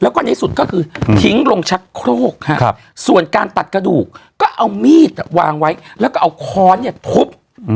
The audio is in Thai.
แล้วก็ในสุดก็คือทิ้งลงชักโครกส่วนการตัดกระดูกก็เอามีดวางไว้แล้วก็เอาค้อนเนี่ยทุบ